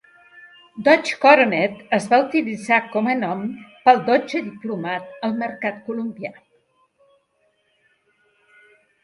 Dodge Coronet es va utilitzar com a nom pel Dodge Diplomat al mercat colombià.